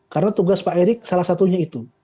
karena tugas pak erick salah satunya itu